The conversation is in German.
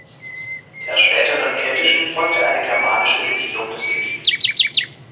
Der späteren keltischen folgte eine germanische Besiedlung des Gebiets.